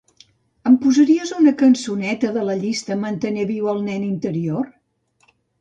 Em posaries una cançoneta de la llista "mantenir viu el nen interior"?